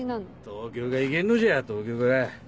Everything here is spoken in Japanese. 東京がいけんのじゃ東京が。